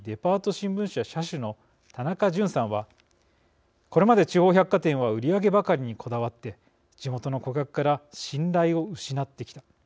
新聞社社主の田中潤さんは「これまで地方百貨店は売り上げばかりにこだわって地元の顧客から信頼を失ってきた。